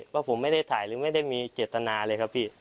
ว่าผมไม่ได้ถ่ายหรือไม่ได้มีเจตนาเลยครับพี่